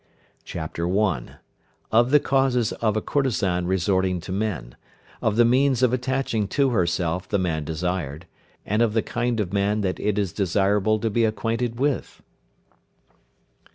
CHAPTER I. OF THE CAUSES OF A COURTESAN RESORTING TO MEN; OF THE MEANS OF ATTACHING TO HERSELF THE MAN DESIRED; AND OF THE KIND OF MAN THAT IT IS DESIRABLE TO BE ACQUAINTED WITH.